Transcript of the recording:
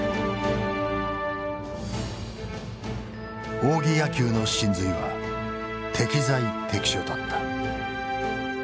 仰木野球の神髄は適材適所だった。